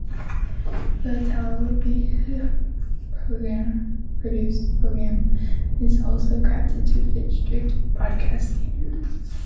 The Televisa produced programming is also crafted to fit strict broadcast standards.